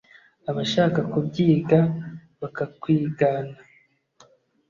Abashaka kubyiga bakakwigana